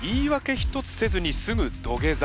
一つせずにすぐ土下座。